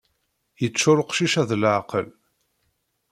Yeččur uqcic-a d leɛqel.